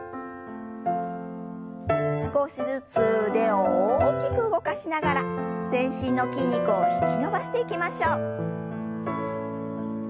少しずつ腕を大きく動かしながら全身の筋肉を引き伸ばしていきましょう。